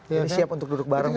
jadi siap untuk duduk bareng pak